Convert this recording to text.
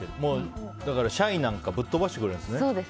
シャイなんかぶっとばしてくれるんですね。